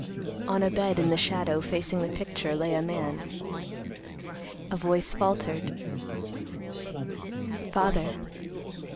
On a bed in the shadow, facing the picture, lay a man. A voice faltered, "Father.